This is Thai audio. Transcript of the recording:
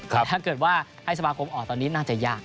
ถ้าเกิดว่าให้สมาคมออกตอนนี้น่าจะยาก